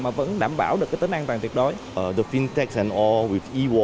mà vẫn đảm bảo được cái tính an toàn tuyệt đối